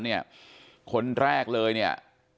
เนี่ยคนแรกเลยเนี่ย